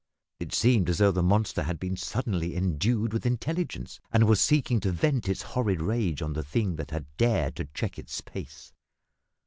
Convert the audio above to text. It seemed as though the monster had been suddenly endued with intelligence, and was seeking to vent its horrid rage on the thing that had dared to check its pace.